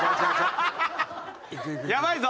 やばいぞ。